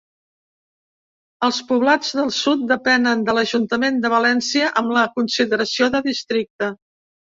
Els Poblats del Sud depenen de l'ajuntament de València amb la consideració de districte.